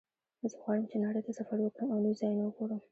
زه غواړم چې نړۍ ته سفر وکړم او نوي ځایونه وګورم